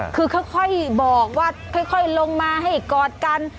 คือค่อยบอกว่าค่อยลงมาให้กอดกัน